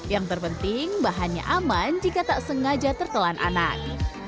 yang terpenting bahannya aman jika tak sengaja tertelan anak